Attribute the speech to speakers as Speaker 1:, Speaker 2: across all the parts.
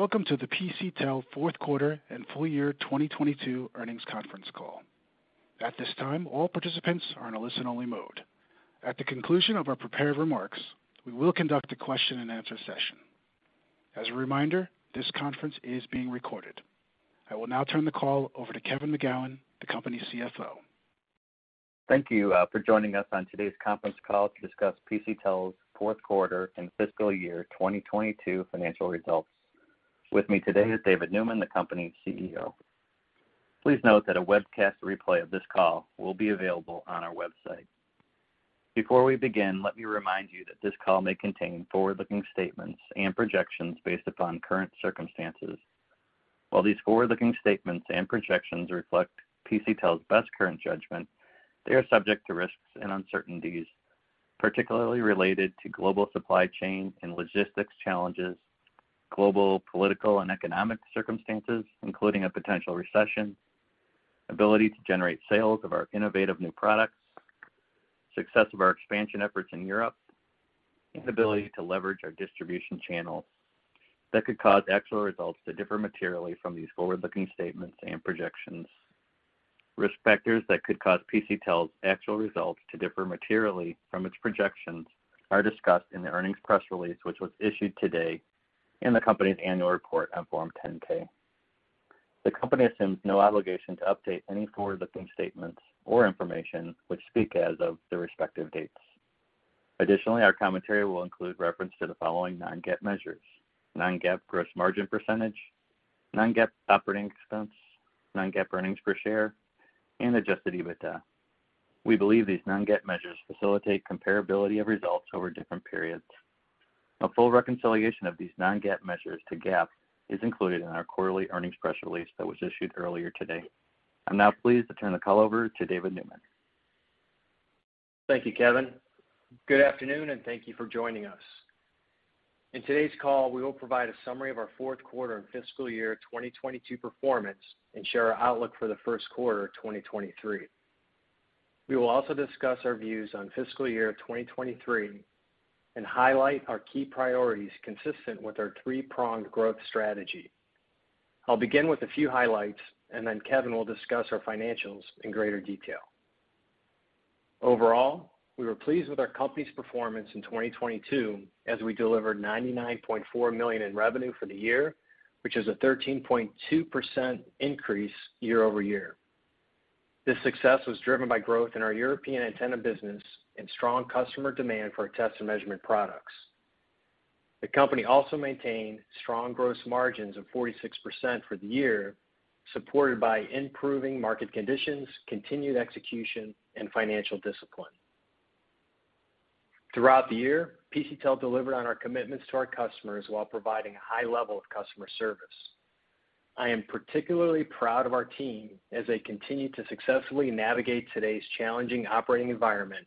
Speaker 1: Welcome to the PCTEL Fourth Quarter and Full Year 2022 Earnings Conference Call. At this time, all participants are in a listen-only mode. At the conclusion of our prepared remarks, we will conduct a question-and-answer session. As a reminder, this conference is being recorded. I will now turn the call over to Kevin McGowan, the company's CFO.
Speaker 2: Thank you for joining us on today's conference call to discuss PCTEL's fourth quarter and fiscal year 2022 financial results. With me today is David Neumann, the company's CEO. Please note that a webcast replay of this call will be available on our website. Before we begin, let me remind you that this call may contain forward-looking statements and projections based upon current circumstances. While these forward-looking statements and projections reflect PCTEL's best current judgment, they are subject to risks and uncertainties, particularly related to global supply chain and logistics challenges, global political and economic circumstances, including a potential recession, ability to generate sales of our innovative new products, success of our expansion efforts in Europe, and ability to leverage our distribution channels that could cause actual results to differ materially from these forward-looking statements and projections. Risk factors that could cause PCTEL's actual results to differ materially from its projections are discussed in the earnings press release, which was issued today in the company's annual report on Form 10-K. The company assumes no obligation to update any forward-looking statements or information, which speak as of the respective dates. Additionally, our commentary will include reference to the following non-GAAP measures: non-GAAP gross margin percentage, non-GAAP operating expense, non-GAAP earnings per share, and Adjusted EBITDA. We believe these non-GAAP measures facilitate comparability of results over different periods. A full reconciliation of these non-GAAP measures to GAAP is included in our quarterly earnings press release that was issued earlier today. I'm now pleased to turn the call over to David Neumann.
Speaker 3: Thank you, Kevin. Good afternoon, thank you for joining us. In today's call, we will provide a summary of our fourth quarter and fiscal year 2022 performance and share our outlook for the first quarter of 2023. We will also discuss our views on fiscal year 2023 and highlight our key priorities consistent with our three-pronged growth strategy. I'll begin with a few highlights, then Kevin will discuss our financials in greater detail. Overall, we were pleased with our company's performance in 2022 as we delivered $99.4 million in revenue for the year, which is a 13.2% increase year-over-year. This success was driven by growth in our European antenna business and strong customer demand for our test and measurement products. The company also maintained strong gross margins of 46% for the year, supported by improving market conditions, continued execution and financial discipline. Throughout the year, PCTEL delivered on our commitments to our customers while providing a high level of customer service. I am particularly proud of our team as they continue to successfully navigate today's challenging operating environment,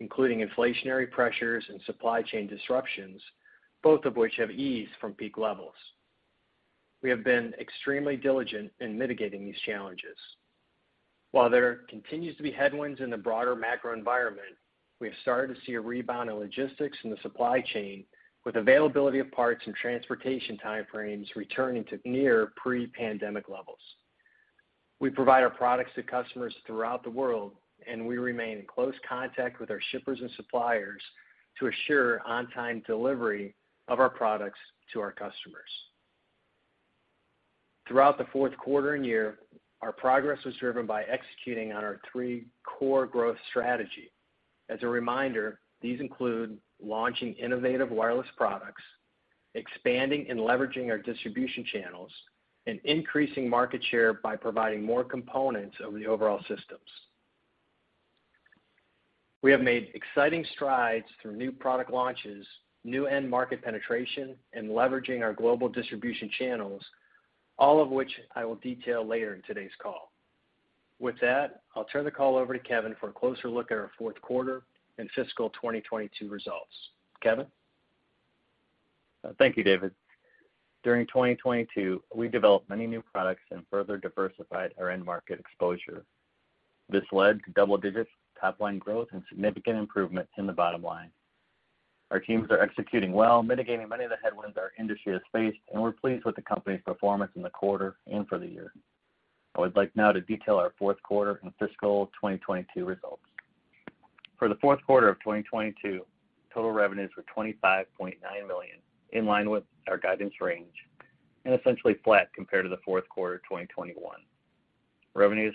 Speaker 3: including inflationary pressures and supply chain disruptions, both of which have eased from peak levels. We have been extremely diligent in mitigating these challenges. While there continues to be headwinds in the broader macro environment, we have started to see a rebound in logistics in the supply chain, with availability of parts and transportation time frames returning to near pre-pandemic levels. We provide our products to customers throughout the world, and we remain in close contact with our shippers and suppliers to assure on-time delivery of our products to our customers. Throughout the fourth quarter and year, our progress was driven by executing on our three core growth strategy. As a reminder, these include launching innovative wireless products, expanding and leveraging our distribution channels, and increasing market share by providing more components of the overall systems. We have made exciting strides through new product launches, new end market penetration, and leveraging our global distribution channels, all of which I will detail later in today's call. With that, I'll turn the call over to Kevin for a closer look at our fourth quarter and fiscal 2022 results. Kevin?
Speaker 2: Thank you, David. During 2022, we developed many new products and further diversified our end market exposure. This led to double-digit top-line growth and significant improvements in the bottom line. Our teams are executing well, mitigating many of the headwinds our industry has faced, and we're pleased with the company's performance in the quarter and for the year. I would like now to detail our fourth quarter and fiscal 2022 results. For the fourth quarter of 2022, total revenues were $25.9 million, in line with our guidance range and essentially flat compared to the fourth quarter of 2021. Revenues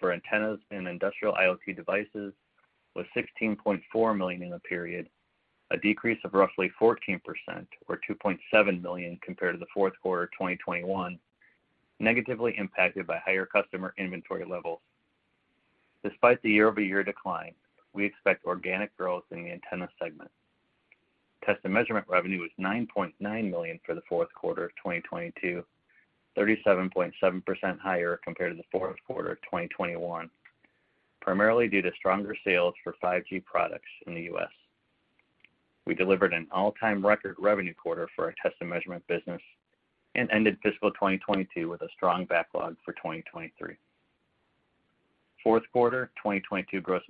Speaker 2: for antennas and industrial IoT devices was $16.4 million in the period, a decrease of roughly 14% or $2.7 million compared to the fourth quarter of 2021, negatively impacted by higher customer inventory levels. Despite the year-over-year decline, we expect organic growth in the antenna segment. Test and measurement revenue was $9.9 million for the fourth quarter of 2022, 37.7% higher compared to the fourth quarter of 2021, primarily due to stronger sales for 5G products in the U.S. We delivered an all-time record revenue quarter for our test and measurement business and ended fiscal 2022 with a strong backlog for 2023. Fourth quarter 2022 gross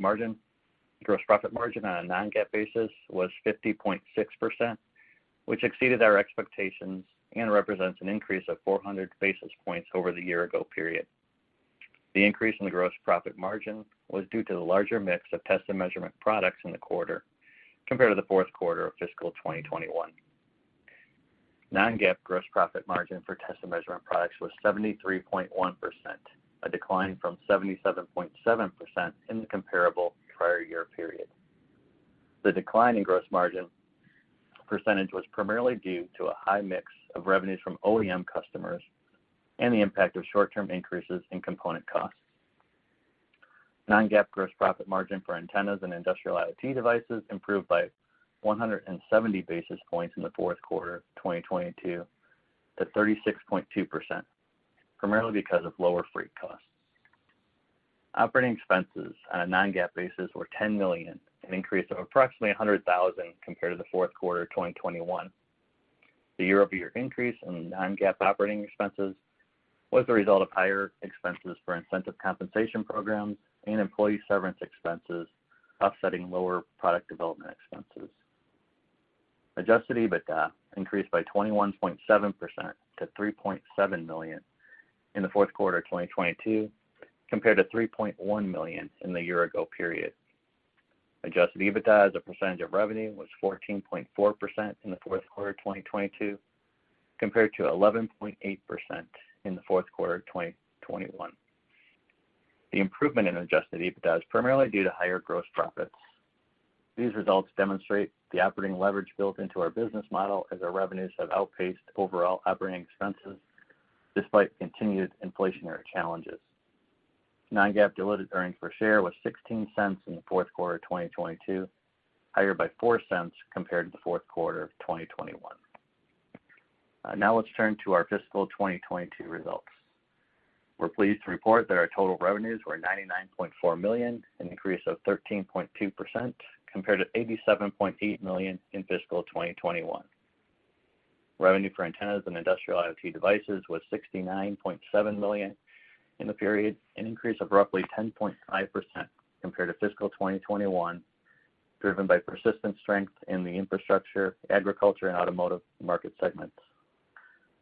Speaker 2: profit margin on a non-GAAP basis was 50.6%, which exceeded our expectations and represents an increase of 400 basis points over the year-ago period. The increase in the gross profit margin was due to the larger mix of test and measurement products in the quarter compared to the fourth quarter of fiscal 2021. Non-GAAP gross profit margin for test and measurement products was 73.1%, a decline from 77.7% in the comparable prior year period. The decline in gross margin percentage was primarily due to a high mix of revenues from OEM customers and the impact of short-term increases in component costs. Non-GAAP gross profit margin for antennas and industrial IoT devices improved by 170 basis points in the fourth quarter of 2022 to 36.2%, primarily because of lower freight costs. Operating expenses on a non-GAAP basis were $10 million, an increase of approximately $100,000 compared to the fourth quarter of 2021. The year-over-year increase in non-GAAP operating expenses was the result of higher expenses for incentive compensation programs and employee severance expenses, offsetting lower product development expenses. Adjusted EBITDA increased by 21.7% to $3.7 million in the fourth quarter of 2022, compared to $3.1 million in the year ago period. Adjusted EBITDA as a percentage of revenue was 14.4% in the fourth quarter of 2022, compared to 11.8% in the fourth quarter of 2021. The improvement in Adjusted EBITDA is primarily due to higher gross profits. These results demonstrate the operating leverage built into our business model as our revenues have outpaced overall operating expenses despite continued inflationary challenges. Non-GAAP diluted earnings per share was $0.16 in the fourth quarter of 2022, higher by $0.04 compared to the fourth quarter of 2021. Now let's turn to our fiscal 2022 results. We're pleased to report that our total revenues were $99.4 million, an increase of 13.2% compared to $87.8 million in fiscal 2021. Revenue for antennas and industrial IoT devices was $69.7 million in the period, an increase of roughly 10.5% compared to fiscal 2021, driven by persistent strength in the infrastructure, agriculture, and automotive market segments.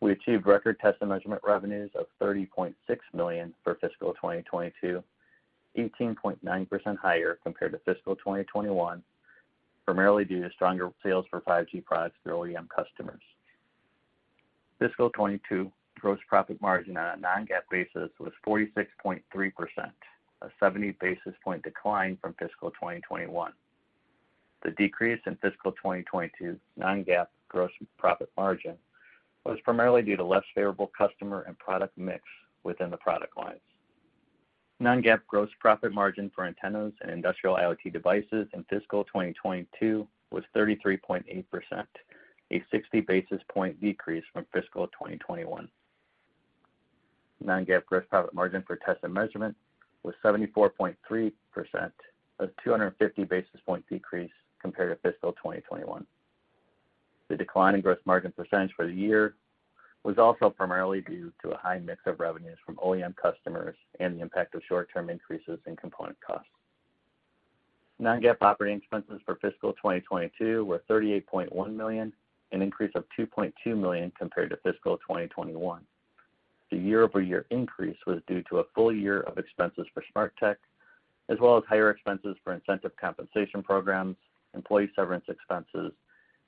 Speaker 2: We achieved record test and measurement revenues of $30.6 million for fiscal 2022, 18.9% higher compared to fiscal 2021, primarily due to stronger sales for 5G products to our OEM customers. Fiscal 2022 gross profit margin on a non-GAAP basis was 46.3%, a 70 basis point decline from fiscal 2021. The decrease in fiscal 2022 non-GAAP gross profit margin was primarily due to less favorable customer and product mix within the product lines. Non-GAAP gross profit margin for antennas and industrial IoT devices in fiscal 2022 was 33.8%, a 60 basis point decrease from fiscal 2021. Non-GAAP gross profit margin for test and measurement was 74.3%, a 250 basis point decrease compared to fiscal 2021. The decline in gross margin percentage for the year was also primarily due to a high mix of revenues from OEM customers and the impact of short-term increases in component costs. Non-GAAP operating expenses for fiscal 2022 were $38.1 million, an increase of $2.2 million compared to fiscal 2021. The year-over-year increase was due to a full year of expenses for Smarteq Wireless, as well as higher expenses for incentive compensation programs, employee severance expenses,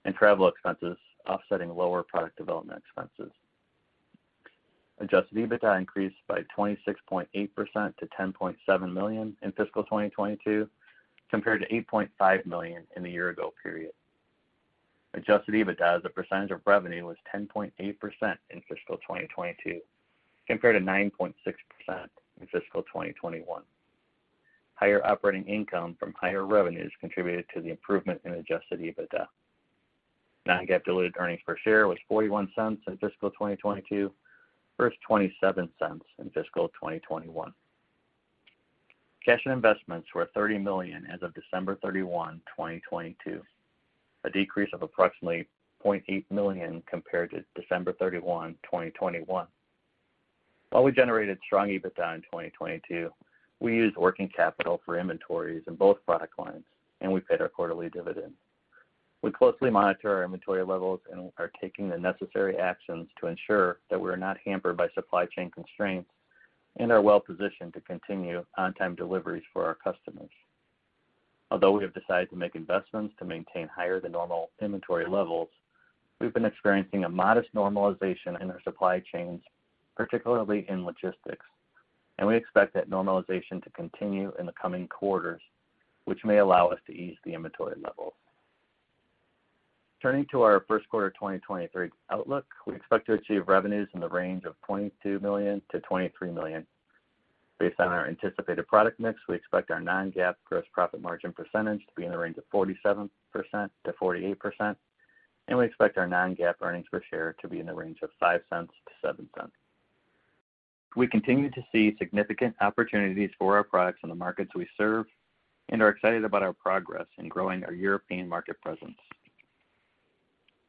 Speaker 2: and travel expenses offsetting lower product development expenses. Adjusted EBITDA increased by 26.8% to $10.7 million in fiscal 2022, compared to $8.5 million in the year ago period. Adjusted EBITDA as a percentage of revenue was 10.8% in fiscal 2022, compared to 9.6% in fiscal 2021. Higher operating income from higher revenues contributed to the improvement in Adjusted EBITDA. non-GAAP diluted earnings per share was $0.41 in fiscal 2022 versus $0.27 in fiscal 2021. Cash and investments were $30 million as of December 31, 2022, a decrease of approximately $0.8 million compared to December 31, 2021. While we generated strong EBITDA in 2022, we used working capital for inventories in both product lines and we paid our quarterly dividend. We closely monitor our inventory levels and are taking the necessary actions to ensure that we are not hampered by supply chain constraints and are well positioned to continue on-time deliveries for our customers. Although we have decided to make investments to maintain higher than normal inventory levels, we've been experiencing a modest normalization in our supply chains, particularly in logistics, and we expect that normalization to continue in the coming quarters, which may allow us to ease the inventory levels. Turning to our first quarter 2023 outlook, we expect to achieve revenues in the range of $22 million-$23 million. Based on our anticipated product mix, we expect our non-GAAP gross profit margin percentage to be in the range of 47%-48%, and we expect our non-GAAP earnings per share to be in the range of $0.05-$0.07.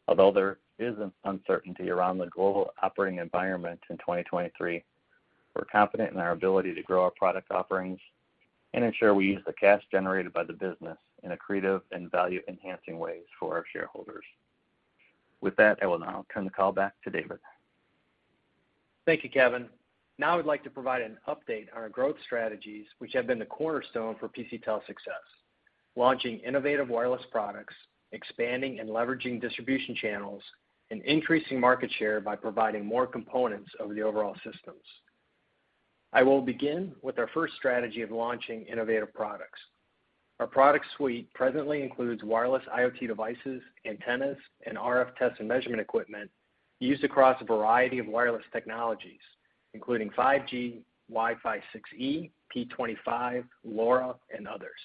Speaker 2: Although there is an uncertainty around the global operating environment in 2023, we're confident in our ability to grow our product offerings and ensure we use the cash generated by the business in accretive and value-enhancing ways for our shareholders. With that, I will now turn the call back to David.
Speaker 3: Thank you, Kevin. I'd like to provide an update on our growth strategies, which have been the cornerstone for PCTEL's success. Launching innovative wireless products, expanding and leveraging distribution channels, and increasing market share by providing more components of the overall systems. I will begin with our first strategy of launching innovative products. Our product suite presently includes wireless IoT devices, antennas, and RF test and measurement equipment used across a variety of wireless technologies, including 5G, Wi-Fi 6E, P25, LoRa, and others.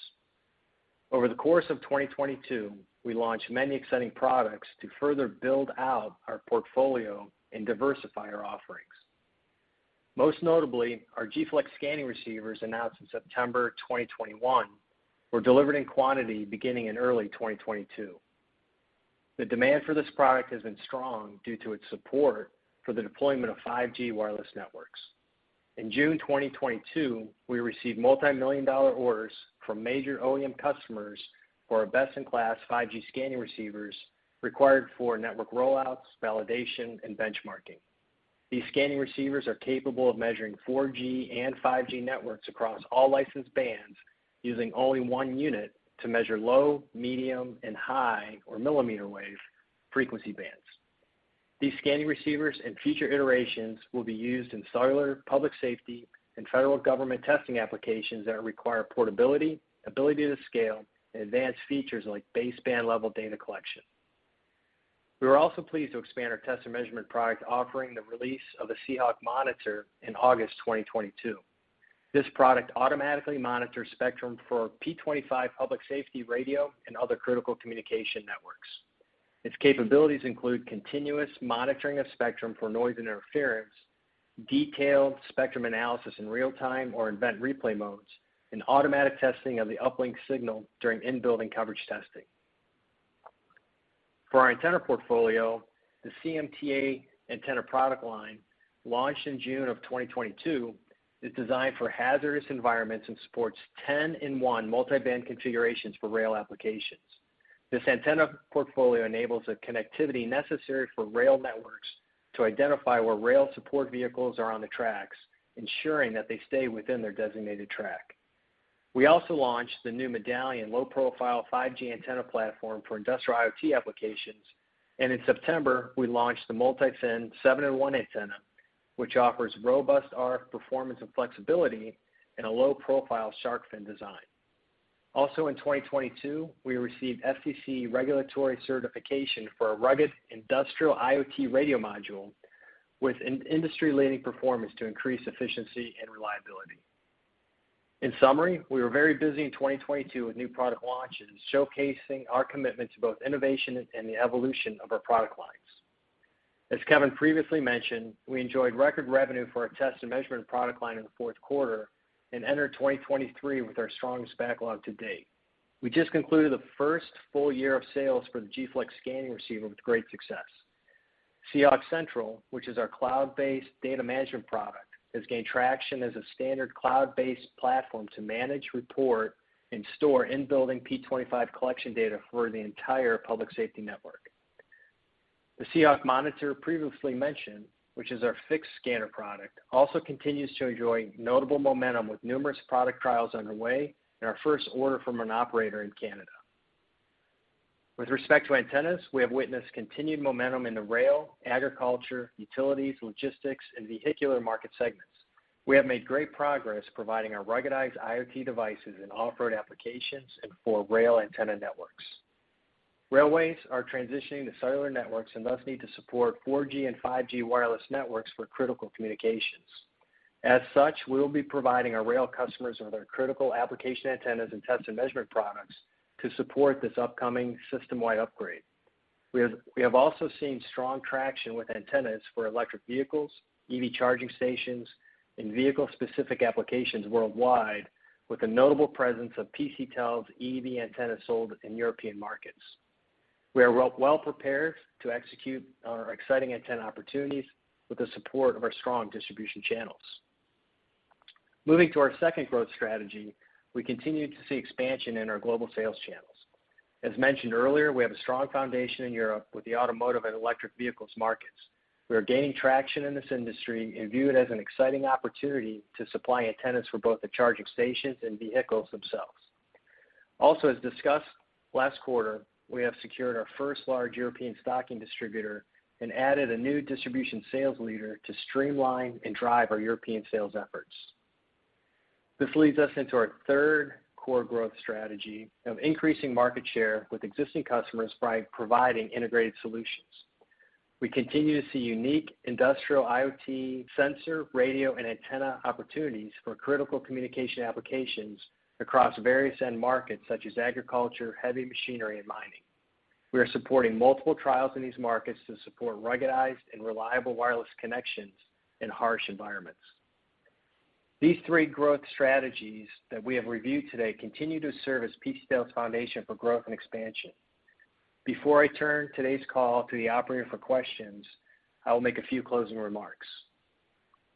Speaker 3: Over the course of 2022, we launched many exciting products to further build out our portfolio and diversify our offerings. Most notably, our Gflex scanning receivers announced in September 2021 were delivered in quantity beginning in early 2022. The demand for this product has been strong due to its support for the deployment of 5G wireless networks. In June 2022, we received multi-million dollar orders from major OEM customers for our best-in-class 5G scanning receivers required for network rollouts, validation, and benchmarking. These scanning receivers are capable of measuring 4G and 5G networks across all licensed bands using only one unit to measure low, medium, and high, or millimeter wave, frequency bands. These scanning receivers and future iterations will be used in cellular, public safety, and federal government testing applications that require portability, ability to scale, and advanced features like baseband level data collection. We were also pleased to expand our test and measurement product offering the release of the SeeHawk Monitor in August 2022. This product automatically monitors spectrum for P25 public safety radio and other critical communication networks. Its capabilities include continuous monitoring of spectrum for noise and interference, detailed spectrum analysis in real time or event replay modes, and automatic testing of the uplink signal during in-building coverage testing. For our antenna portfolio, the CMTA antenna product line, launched in June of 2022, is designed for hazardous environments and supports 10-in-1 multiband configurations for rail applications. This antenna portfolio enables the connectivity necessary for rail networks to identify where rail support vehicles are on the tracks, ensuring that they stay within their designated track. We also launched the new Medallion low-profile 5G antenna platform for industrial IoT applications. In September, we launched the MultiFin 7-in-1 antenna, which offers robust RF performance and flexibility in a low-profile shark fin design. In 2022, we received FCC regulatory certification for a rugged industrial IoT radio module with an industry-leading performance to increase efficiency and reliability. In summary, we were very busy in 2022 with new product launches, showcasing our commitment to both innovation and the evolution of our product lines. As Kevin previously mentioned, we enjoyed record revenue for our test and measurement product line in the fourth quarter and entered 2023 with our strongest backlog to date. We just concluded the first full year of sales for the Gflex scanning receiver with great success. SeeHawk Central, which is our cloud-based data management product, has gained traction as a standard cloud-based platform to manage, report, and store in-building P25 collection data for the entire public safety network. The SeeHawk Monitor previously mentioned, which is our fixed scanner product, also continues to enjoy notable momentum with numerous product trials underway and our first order from an operator in Canada. With respect to antennas, we have witnessed continued momentum in the rail, agriculture, utilities, logistics, and vehicular market segments. We have made great progress providing our ruggedized IoT devices in off-road applications and for rail antenna networks. Railways are transitioning to cellular networks and thus need to support 4G and 5G wireless networks for critical communications. As such, we will be providing our rail customers with our critical application antennas and test and measurement products to support this upcoming system-wide upgrade. We have also seen strong traction with antennas for electric vehicles, EV charging stations, and vehicle-specific applications worldwide, with the notable presence of PCTEL's EV antenna sold in European markets. We are well-prepared to execute our exciting antenna opportunities with the support of our strong distribution channels. Moving to our second growth strategy, we continue to see expansion in our global sales channels. As mentioned earlier, we have a strong foundation in Europe with the automotive and electric vehicles markets. We are gaining traction in this industry and view it as an exciting opportunity to supply antennas for both the charging stations and vehicles themselves. Also, as discussed last quarter, we have secured our first large European stocking distributor and added a new distribution sales leader to streamline and drive our European sales efforts. This leads us into our third core growth strategy of increasing market share with existing customers by providing integrated solutions. We continue to see unique Industrial IoT sensor, radio, and antenna opportunities for critical communication applications across various end markets, such as agriculture, heavy machinery, and mining. We are supporting multiple trials in these markets to support ruggedized and reliable wireless connections in harsh environments. These three growth strategies that we have reviewed today continue to serve as PCTEL's foundation for growth and expansion. Before I turn today's call to the operator for questions, I will make a few closing remarks.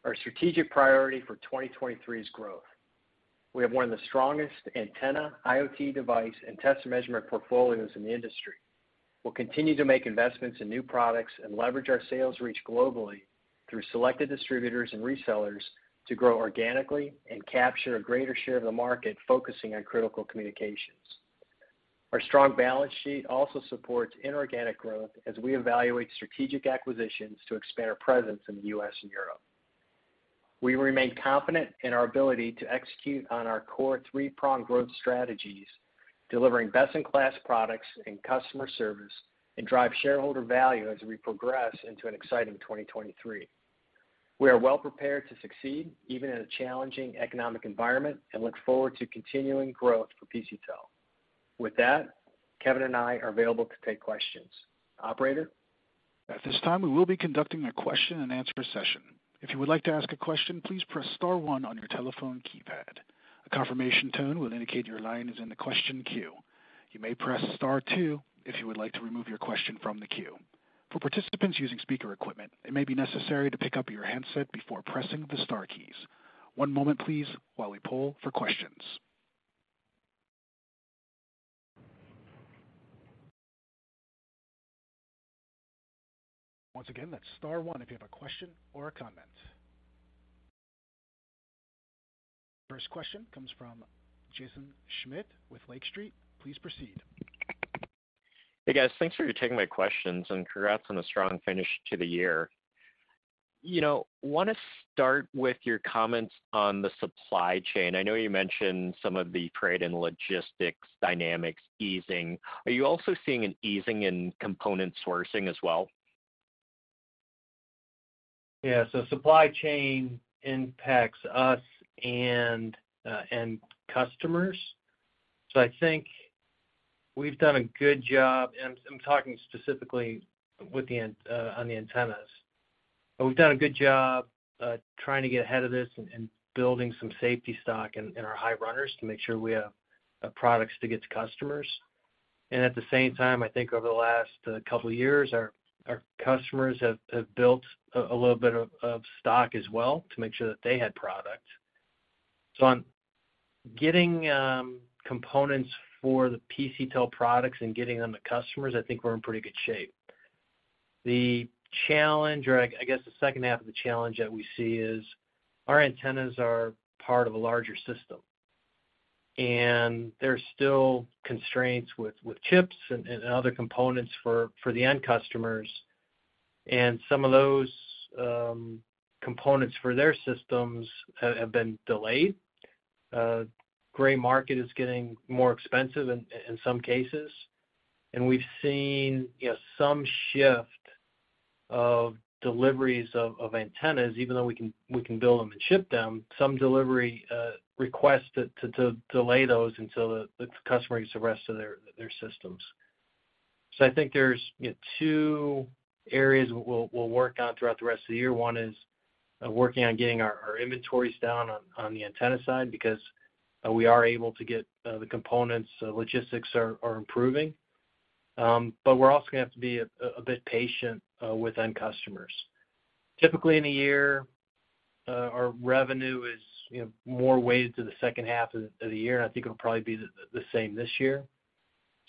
Speaker 3: Our strategic priority for 2023 is growth. We have one of the strongest antenna, IoT device, and test measurement portfolios in the industry. We'll continue to make investments in new products and leverage our sales reach globally through selected distributors and resellers to grow organically and capture a greater share of the market, focusing on critical communications. Our strong balance sheet also supports inorganic growth as we evaluate strategic acquisitions to expand our presence in the U.S. and Europe. We remain confident in our ability to execute on our core three-pronged growth strategies, delivering best-in-class products and customer service, and drive shareholder value as we progress into an exciting 2023. We are well prepared to succeed even in a challenging economic environment and look forward to continuing growth for PCTEL. With that, Kevin and I are available to take questions. Operator?
Speaker 1: At this time, we will be conducting a question-and-answer session. If you would like to ask a question, please press star one on your telephone keypad. A confirmation tone will indicate your line is in the question queue. You may press star two if you would like to remove your question from the queue. For participants using speaker equipment, it may be necessary to pick up your handset before pressing the star keys. One moment please while we poll for questions. Once again, that's star one if you have a question or a comment. First question comes from Jaeson Schmidt with Lake Street. Please proceed.
Speaker 4: Hey, guys. Thanks for taking my questions and congrats on a strong finish to the year. You know, wanna start with your comments on the supply chain. I know you mentioned some of the trade and logistics dynamics easing. Are you also seeing an easing in component sourcing as well?
Speaker 3: Supply chain impacts us and customers. I think we've done a good job, and I'm talking specifically on the antennas. We've done a good job trying to get ahead of this and building some safety stock in our high runners to make sure we have products to get to customers. At the same time, I think over the last two years, our customers have built a little bit of stock as well to make sure that they had product. On getting components for the PCTEL products and getting them to customers, I think we're in pretty good shape. The challenge or I guess the second half of the challenge that we see is our antennas are part of a larger system, there's still constraints with chips and other components for the end customers. Some of those components for their systems have been delayed. Gray market is getting more expensive in some cases. We've seen, you know, some shift of deliveries of antennas, even though we can build them and ship them, some delivery request to delay those until the customer gets the rest of their systems. I think there's, you know, two areas we'll work on throughout the rest of the year. One is working on getting our inventories down on the antenna side because we are able to get the components. Logistics are improving. We're also gonna have to be a bit patient, with end customers. Typically, in a year, our revenue is, you know, more weighted to the second half of the year, and I think it'll probably be the same this year.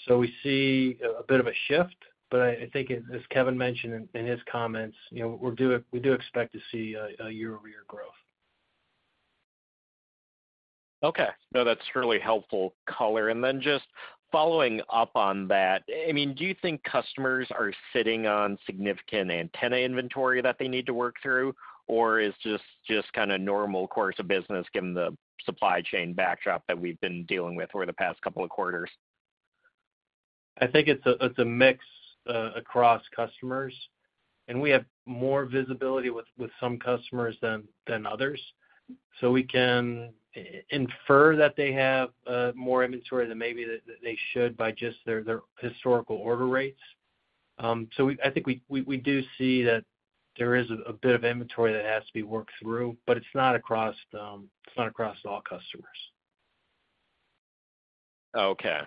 Speaker 3: We see a bit of a shift, but I think as Kevin mentioned in his comments, you know, we do expect to see a year-over-year growth.
Speaker 4: Okay. No, that's really helpful color. Just following up on that, I mean, do you think customers are sitting on significant antenna inventory that they need to work through, or is this just kinda normal course of business given the supply chain backdrop that we've been dealing with over the past couple of quarters?
Speaker 3: I think it's a mix across customers, and we have more visibility with some customers than others. We can infer that they have more inventory than maybe they should by just their historical order rates. I think we do see that there is a bit of inventory that has to be worked through, but it's not across, it's not across all customers.
Speaker 4: Okay.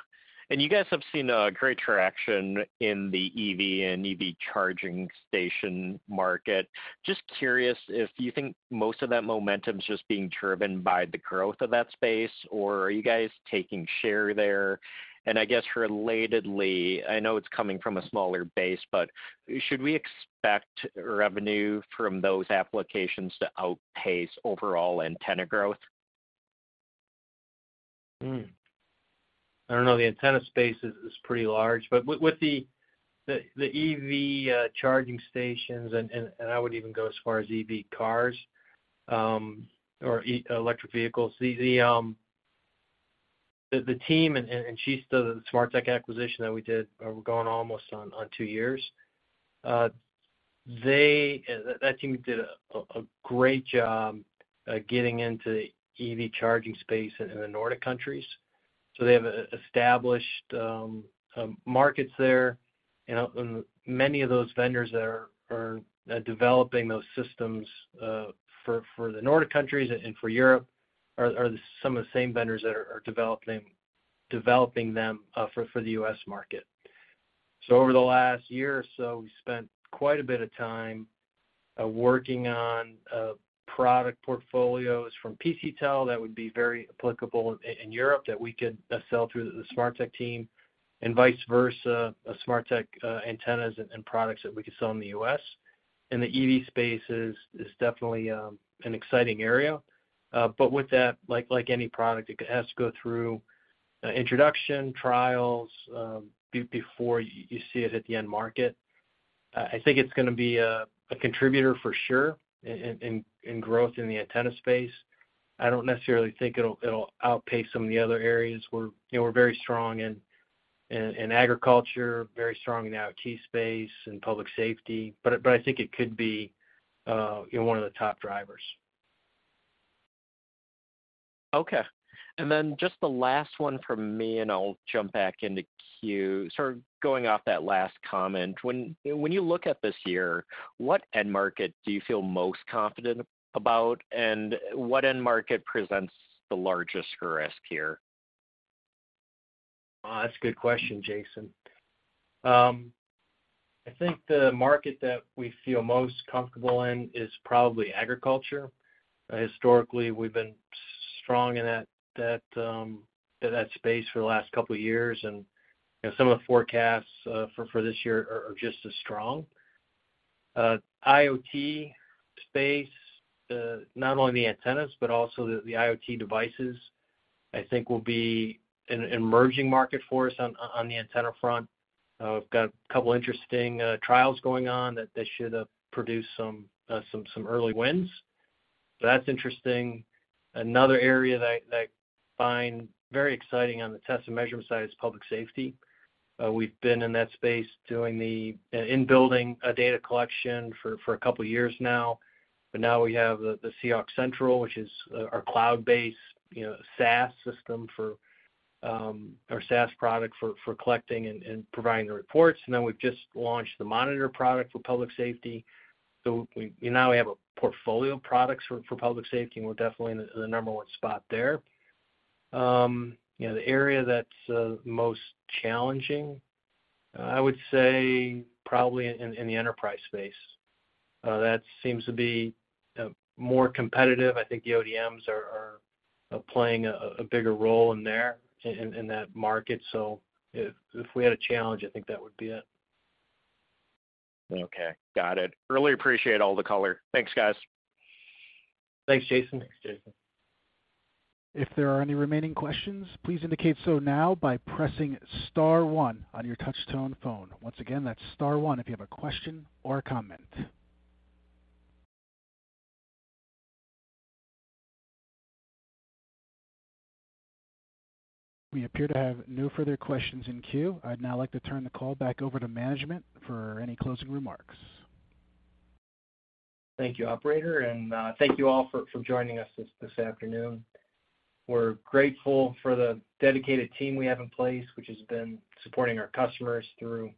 Speaker 4: You guys have seen great traction in the EV and EV charging station market. Just curious if you think most of that momentum's just being driven by the growth of that space, or are you guys taking share there? I guess relatedly, I know it's coming from a smaller base, but should we expect revenue from those applications to outpace overall antenna growth?
Speaker 3: I don't know. The antenna space is pretty large, but with the EV charging stations and I would even go as far as EV cars, or electric vehicles. The team and Kista, the Smarteq acquisition that we did, we're going almost on two years. That team did a great job getting into the EV charging space in the Nordic countries. They have established markets there, you know, and many of those vendors that are developing those systems, for the Nordic countries and for Europe are some of the same vendors that are developing them, for the U.S. market. Over the last year or so, we've spent quite a bit of time working on product portfolios from PCTEL that would be very applicable in Europe that we could sell through the Smarteq team and vice versa, Smarteq antennas and products that we could sell in the U.S. The EV space is definitely an exciting area. With that, like any product, it has to go through introduction, trials, before you see it at the end market. I think it's gonna be a contributor for sure in growth in the antenna space. I don't necessarily think it'll outpace some of the other areas. We're, you know, we're very strong in agriculture, very strong in the IoT space and public safety, but I think it could be, you know, one of the top drivers.
Speaker 4: Okay. Just the last one from me, and I'll jump back in the queue. Sort of going off that last comment. When you look at this year, what end market do you feel most confident about, and what end market presents the largest risk here?
Speaker 3: That's a good question, Jaeson. I think the market that we feel most comfortable in is probably agriculture. Historically, we've been strong in that space for the last couple of years, and, you know, some of the forecasts for this year are just as strong. IoT space, not only the antennas, but also the IoT devices, I think will be an emerging market for us on the antenna front. We've got a couple interesting trials going on that they should produce some early wins. That's interesting. Another area that I find very exciting on the test and measurement side is public safety. We've been in that space doing the in-building data collection for two years now, but now we have the SeeHawk Central, which is our cloud-based, you know, SaaS system for our SaaS product for collecting and providing the reports. We've just launched the SeeHawk Monitor product for public safety. Now we have a portfolio of products for public safety, and we're definitely in the number 1 spot there. You know, the area that's most challenging, I would say probably in the enterprise space. That seems to be more competitive. I think the ODMs are playing a bigger role in there, in that market. If we had a challenge, I think that would be it.
Speaker 4: Okay. Got it. Really appreciate all the color. Thanks, guys.
Speaker 3: Thanks, Jaeson.
Speaker 2: Thanks, Jaeson.
Speaker 1: If there are any remaining questions, please indicate so now by pressing star one on your touch tone phone. Once again, that's star one if you have a question or a comment. We appear to have no further questions in queue. I'd now like to turn the call back over to management for any closing remarks.
Speaker 3: Thank you, operator, and thank you all for joining us this afternoon. We're grateful for the dedicated team we have in place, which has been supporting our customers through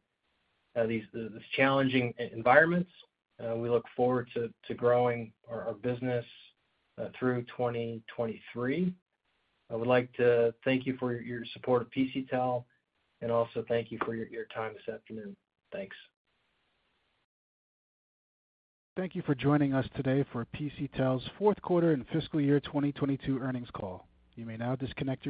Speaker 3: this challenging environments. We look forward to growing our business through 2023. I would like to thank you for your support of PCTEL and also thank you for your time this afternoon. Thanks.
Speaker 1: Thank you for joining us today for PCTEL's fourth quarter and fiscal year 2022 earnings call. You may now disconnect your line.